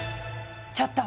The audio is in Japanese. ちょっと！